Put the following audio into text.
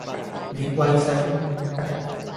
你貴姓？